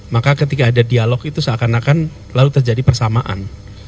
maka ketika ada dialog itu seakan akan lalu terjadi persamaan